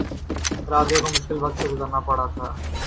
رابعہ کو مشکل وقت سے گزرنا پڑا تھا